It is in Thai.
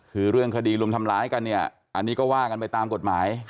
คือเรื่องคดีรุมทำร้ายกันเนี่ยอันนี้ก็ว่ากันไปตามกฎหมาย